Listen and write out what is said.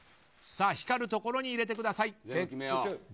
光るところに入れてください。